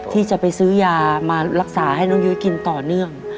ที่จะไปซื้อยามารักษาให้น้องยุ้ยกินต่อเนื่อง